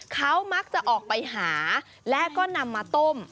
เขามักจะออกไปหาและก็นำมาต้ม